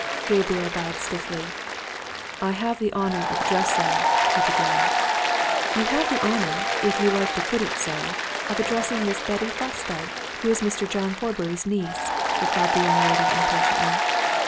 Gabriel bowed stiffly. "I have the honour of addressing " he began. "You have the honour if you like to put it so of addressing Miss Betty Fosdyke, who is Mr. John Horbury's niece," replied the young lady impatiently.